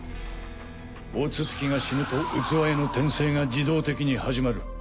大筒木が死ぬと器への転生が自動的に始まる。